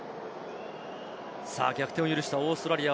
逆転を許したオーストラリア。